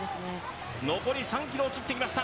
残り３ｋｍを切ってきました。